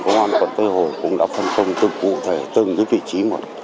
công an quận tây hồ cũng đã phân công từng cụ thể từng cái vị trí một